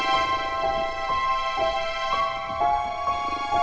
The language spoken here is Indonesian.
ustaz lu sana bencana